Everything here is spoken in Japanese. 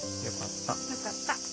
よかった。